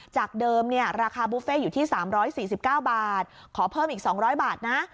จากเดิมราคาบุฟเฟ่อยู่ที่๓๔๙บาทขอเพิ่มอีก๒๐๐บาทนะ